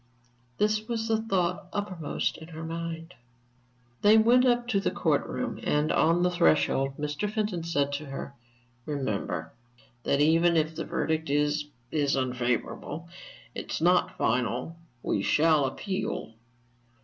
This was the thought uppermost in her mind. They went up to the court room, and on the threshold Mr. Fenton said to her: "Remember, that even if the verdict is is unfavorable, it is not final. We shall appeal."